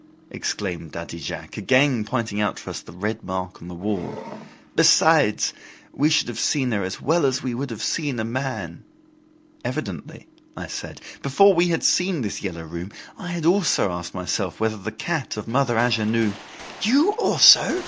exclaimed Daddy Jacques, again pointing out to us the red mark on the wall. "Besides, we should have seen her as well as we would have seen a man " "Evidently," I said. "Before we had seen this "Yellow Room", I had also asked myself whether the cat of Mother Angenoux " "You also!"